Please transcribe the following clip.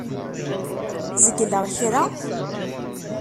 Zegleɣ kra?